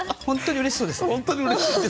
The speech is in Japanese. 本当にうれしいです。